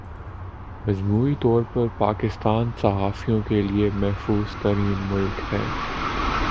مجموعی طور پر پاکستان صحافیوں کے لئے محفوظ ترین ملک ہے